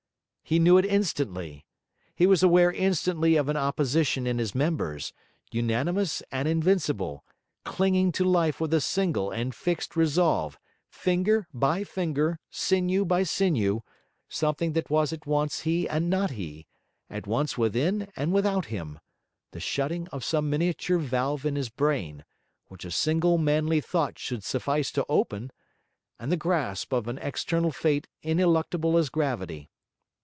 He knew it instantly. He was aware instantly of an opposition in his members, unanimous and invincible, clinging to life with a single and fixed resolve, finger by finger, sinew by sinew; something that was at once he and not he at once within and without him; the shutting of some miniature valve in his brain, which a single manly thought should suffice to open and the grasp of an external fate ineluctable as gravity.